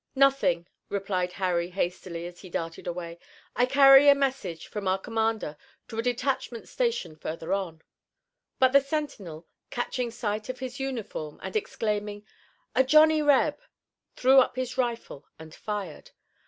"Nothing," replied Harry hastily, as he darted away. "I carry a message from our commander to a detachment stationed further on!" But the sentinel, catching sight of his uniform, and exclaiming: "A Johnny Reb!" threw up his rifle and fired.